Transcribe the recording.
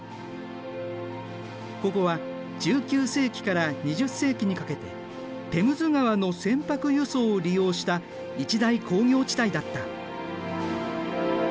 ここは１９世紀から２０世紀にかけてテムズ川の船舶輸送を利用した一大工業地帯だった。